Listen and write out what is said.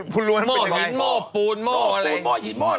โม่หินโม่ปูนโม่อะไร